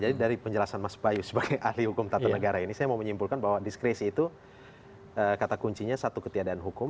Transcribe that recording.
jadi dari penjelasan mas bayu sebagai ahli hukum tata negara ini saya mau menyimpulkan bahwa diskresi itu kata kuncinya satu ketiadaan hukum